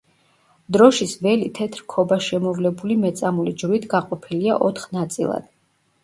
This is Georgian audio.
დროშის ველი თეთრ ქობაშემოვლებული მეწამული ჯვრით გაყოფილია ოთხ ნაწილად.